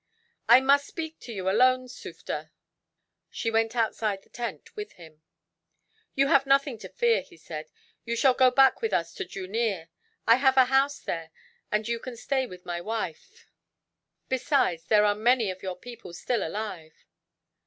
"I must speak to you alone, Sufder." She went outside the tent with him. "You have nothing to fear," he said. "You shall go back with us to Jooneer. I have a house there, and you can stay with my wife. Besides, there are many of your people still alive."